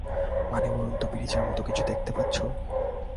মানে, উড়ন্ত পিরিচের মত কিছু দেখতে পাচ্ছ?